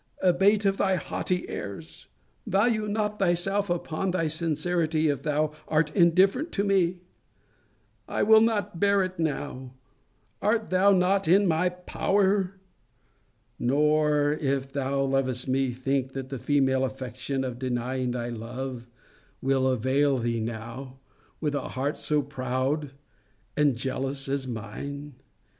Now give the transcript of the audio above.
Abate of thy haughty airs! Value not thyself upon thy sincerity, if thou art indifferent to me! I will not bear it now. Art thou not in my POWER! Nor, if thou lovest me, think, that the female affectation of denying thy love, will avail thee now, with a heart so proud and so jealous as mine?